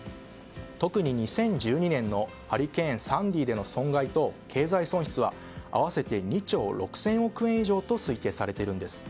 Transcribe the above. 特に２０１２年のハリケーンサンディでの損害と経済損失は合わせて２兆６０００億円以上と推定されているんです。